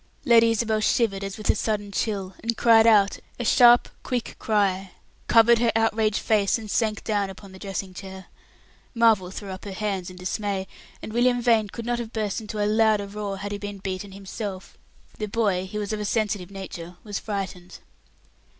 Lady Isabel shivered as with a sudden chill, and cried out a sharp, quick cry covered her outraged face, and sank down upon the dressing chair. Marvel threw up her hands in dismay, and William Vane could not have burst into a louder roar had he been beaten himself. The boy he was of a sensitive nature was frightened.